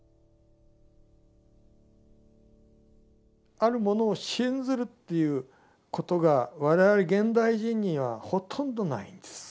あるものを信ずるっていうことが我々現代人にはほとんどないんです。